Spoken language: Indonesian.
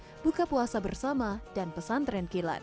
jemaah untuk beribadah buka puasa bersama dan pesan terenkilan